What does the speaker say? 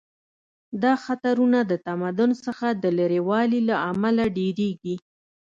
دا خطرونه د تمدن څخه د لرې والي له امله ډیریږي